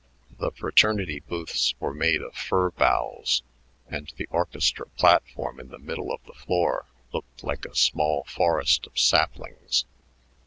The fraternity booths were made of fir boughs, and the orchestra platform in the middle of the floor looked like a small forest of saplings.